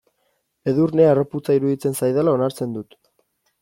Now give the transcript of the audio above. Edurne harroputza iruditzen zaidala onartzen dut.